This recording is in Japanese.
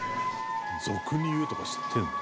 「“俗に言う”とか知ってるんだ」